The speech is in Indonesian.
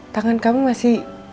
tangan kamu masih